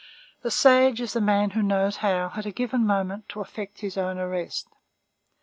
The sage is the man who knows how, at a given moment, to effect his own arrest.